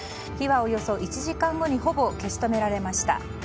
火はおよそ１時間後にほぼ消し止められました。